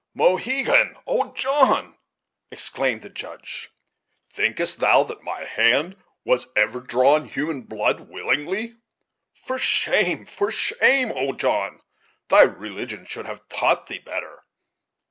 "Mohegan! old John!" exclaimed the Judge, "thinkest thou that my hand has ever drawn human blood willingly? For shame! for shame, old John! thy religion should have taught thee better."